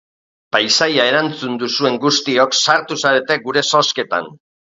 Paisaia erantzun duzuen guztiok sartu zarete gure zozketan.